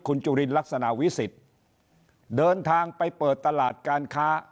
คุณจุลินลักษณะวิสิทธิ์เดินทางไปเปิดตลาดการค้า